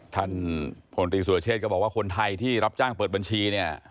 ท่านพลตรีสุรเชษฐก็บอกว่าคนไทยที่รับจ้างเปิดบัญชีเนี่ย